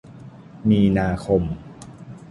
มีนาคม